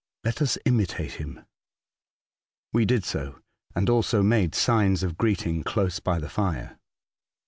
Let us imitate him." We did so, and also made signs of greeting close by the fire.